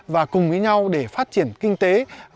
và cùng với nhau để phát triển kinh tế